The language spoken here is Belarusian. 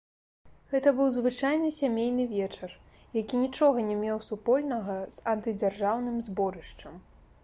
Гэта быў звычайны сямейны вечар, які нічога не меў супольнага з антыдзяржаўным зборышчам.